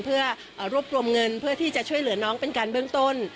เพื่อรวบรวมเงินเพื่อที่จะช่วยเหลือน้องเป็นการเบื้องต้น